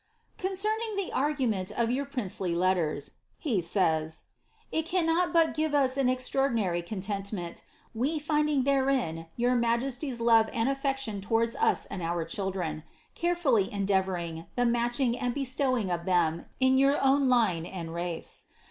* Concerning the argument of jonr princely letters, he safs, it cannot bat gife ns an extraordinary contentment, we finding therein yonr majesty's Ioyo ud sffection towards us and our children, carefully endearooring the matching tad bestowing of them in your own line and race.